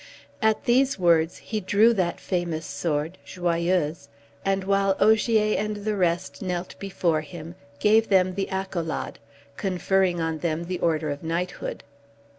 At these words he drew that famous sword, Joyeuse, and while Ogier and the rest knelt before him, gave them the accolade conferring on them the order of knighthood.